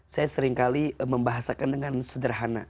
saya seringkali membahasakan dengan sederhana